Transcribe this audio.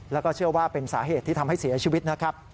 แล้วก็เชื่อว่าเป็นสาเหตุที่ทำให้เสียชีวิตนะครับ